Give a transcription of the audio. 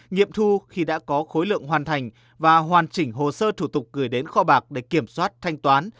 nghiệm thu khi đã có khối lượng hoàn thành và hoàn chỉnh hồ sơ thủ tục gửi đến kho bạc để kiểm soát thanh toán